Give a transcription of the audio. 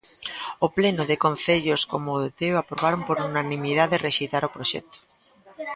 O pleno de concellos como o de Teo aprobaron por unanimidade rexeitar o proxecto.